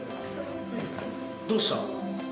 どうした？